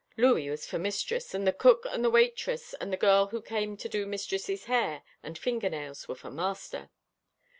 Louis was for mistress, and the cook and the waitress and the girl who came to do mistress's hair and finger nails were for master.